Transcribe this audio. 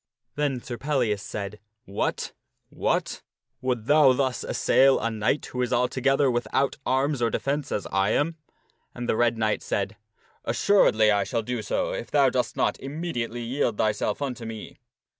Then Sir Pellias said, " What ! what ! Wouldst thou thus assail a knight who is altogether without arms or defence as I am?" And the Red Knight said, " Assuredly shall I do so if thou dost not immediately yield thyself unto me."